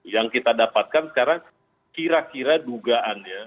yang kita dapatkan sekarang kira kira dugaannya